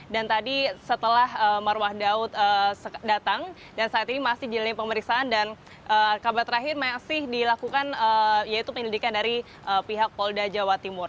dan tadi setelah marwah daud datang dan saat ini masih dilalui pemeriksaan dan kabar terakhir masih dilakukan yaitu penyelidikan dari pihak polda jawa timur